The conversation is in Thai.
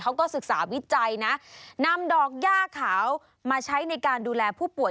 เขาก็ศึกษาวิจัยนะนำดอกย่าขาวมาใช้ในการดูแลผู้ป่วย